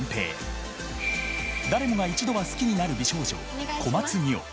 誰もが一度は好きになる美少女小松澪。